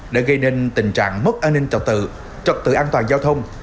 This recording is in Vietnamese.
đã gây nên tình trạng mất an ninh trật tự trật tự an toàn giao thông